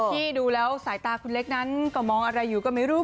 ที่ดูแล้วสายตาคุณเล็กนั้นก็มองอะไรอยู่ก็ไม่รู้